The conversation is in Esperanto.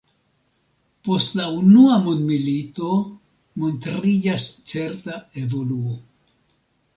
Post la unua mondmilito montriĝas certa evoluo.